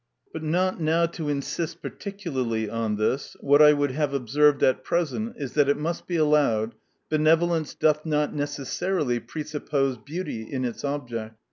But not now to insist particularly on this. What I would have observed at present, is, that it must be allowed, benevolence doth not necessarily presuppose beauty in its object.